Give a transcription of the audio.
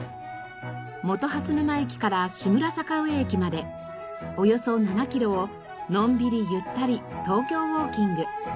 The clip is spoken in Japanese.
本蓮沼駅から志村坂上駅までおよそ７キロをのんびりゆったりトーキョーウォーキング。